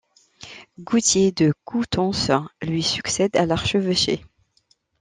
Gautier de Coutances lui succède à l'archevêché.